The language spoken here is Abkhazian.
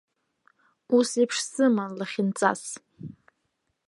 Ус еиԥш сыман лахьынҵас!